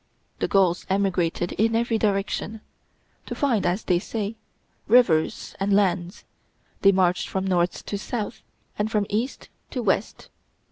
The Gauls emigrated in every direction. To find, as they said, rivers and lands, they marched from north to south, and from east to west.